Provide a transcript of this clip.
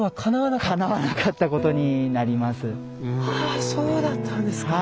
ああそうだったんですか。